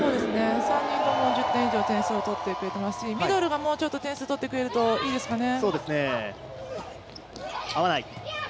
３人とも１０点以上点数を取っていっていますしミドルがもうちょっと点数取ってくれるといいですかね。